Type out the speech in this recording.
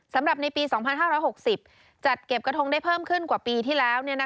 สำหรับในปี๒๕๖๐จัดเก็บกระทงได้เพิ่มขึ้นกว่าปีที่แล้ว